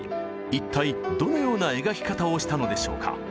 一体どのような描き方をしたのでしょうか。